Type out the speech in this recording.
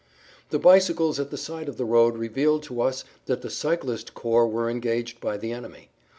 The bicycles at the side of the road revealed to us that the cyclist corps were engaged by the enemy.